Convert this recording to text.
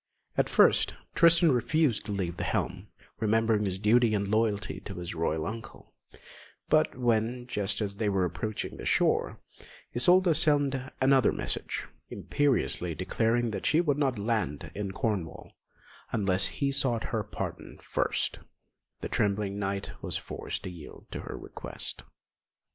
At first Tristan refused to leave the helm, remembering his duty and loyalty to his royal uncle; but when, just as they were approaching the shore, Isolda sent another message, imperiously declaring that she would not land in Cornwall unless he sought her pardon first, the trembling knight was forced to yield to her request.